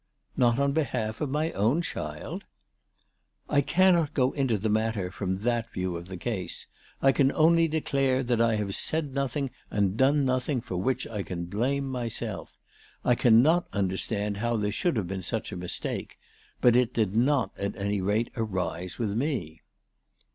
" Not on behalf of my own child ?"" I cannot go into the matter from that view of the case. I can only declare that I have said nothing and done nothing for which I can blame myself. I cannot understand how there should have been such a mistake ; but it did not, at any rate, arise with me."